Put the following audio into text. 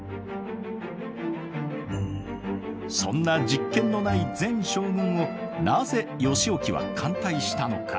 そんな実権のない前将軍をなぜ義興は歓待したのか。